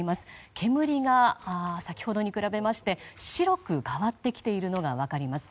煙が先ほどに比べまして白く変わってきているのが分かります。